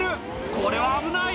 これは危ない。